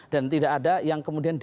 dan tidak ada yang kemudian